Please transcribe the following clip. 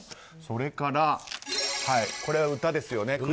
それから、これは歌ですよね。